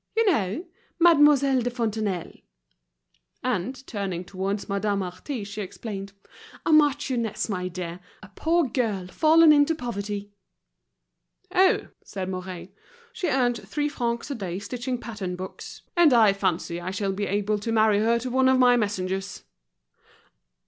You know—Mademoiselle de Fontenailles." And turning towards Madame Marty she explained, "A marchioness, my dear, a poor girl fallen into poverty." "Oh," said Mouret, "she earns three francs a day stitching pattern books, and I fancy I shall be able to marry her to one of my messengers."